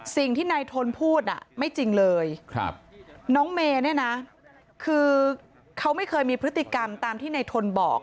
สิ่งที่นายทนพูดไม่จริงเลยน้องเมย์เนี่ยนะคือเขาไม่เคยมีพฤติกรรมตามที่นายทนบอก